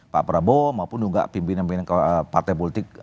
pak prabowo maupun juga pimpinan pimpinan partai politik